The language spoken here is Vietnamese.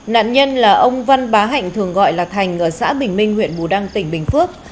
nạn nhân là ông văn bá hạnh thường gọi là thành ở xã bình minh huyện bù đăng tỉnh bình phước